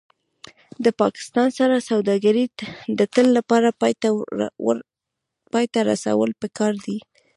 د پاکستان سره سوداګري د تل لپاره پای ته رسول پکار دي